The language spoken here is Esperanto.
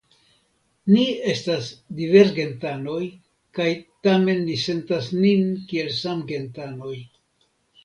Ni estas diversgentanoj, kaj tamen ni sentas nin kiel samgentanoj.